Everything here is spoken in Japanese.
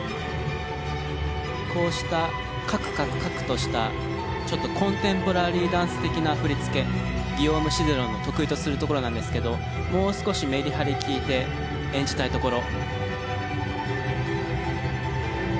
こうしたカクカクカクとしたちょっとコンテンポラリーダンス的な振り付けギヨーム・シゼロンの得意とするところなんですけどもう少しメリハリ利いて演じたいところ。